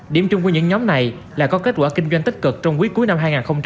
điểm chung của những nhóm này là có kết quả kinh doanh tích cực trong quý cuối năm hai nghìn hai mươi ba